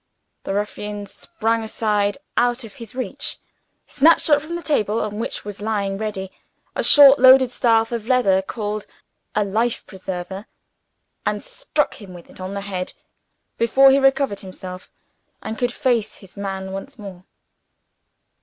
The ruffian sprang aside out of his reach; snatched up from the table on which it was lying ready, a short loaded staff of leather called "a life preserver;" and struck him with it on the head, before he had recovered himself, and could face his man once more.